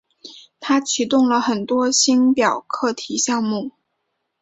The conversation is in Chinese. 他启动了很多星表课题项目。